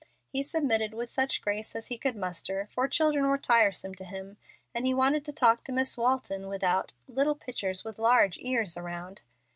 He submitted with such grace as he could muster, for children were tiresome to him, and he wanted to talk to Miss Walton, without "little pitchers with large ears" around.